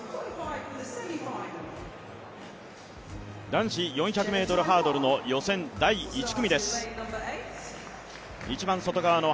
男子４００ｍハードル予選の第１組です